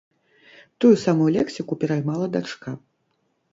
Тую самую лексіку пераймала дачка.